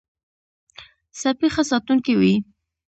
سپي ښه ساتونکی وي.